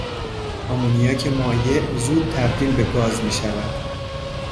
آمونیاک مایع زود تبدیل به گاز میشود.